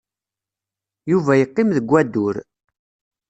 Yuba yeqqim deg wadur.